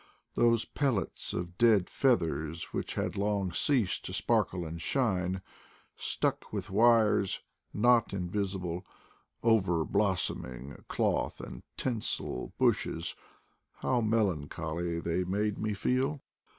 Those pellets of dead feathers, which had long ceased to sparkle and shine, stuck with wires — not invisible — over blossoming cloth and tinsel bushes, how melancholy they made me feel!